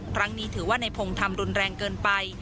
ครั้งนี้ถือว่าในพงศ์ทำรุนแรงเกินไป